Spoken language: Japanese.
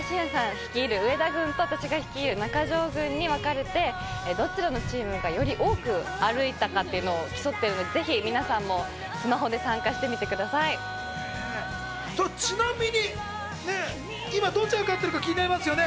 率いる上田軍と私が率いる中条軍にわかれてどちらのチームがより多く歩いたかを競っているので、ぜひ皆さんもスマホで参加しちなみに今、どちらが勝ってるか気になりますよね。